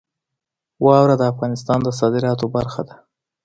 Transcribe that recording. واوره د افغانستان د صادراتو برخه ده.